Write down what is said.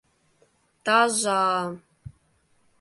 — Таза-а!..